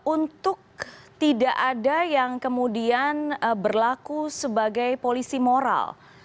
untuk tidak ada yang kemudian berlaku sebagai polisi moral